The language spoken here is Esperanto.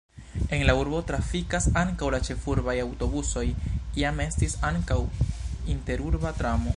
En la urbo trafikas ankaŭ la ĉefurbaj aŭtobusoj, iam estis ankaŭ interurba tramo.